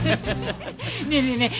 ねえねえねえ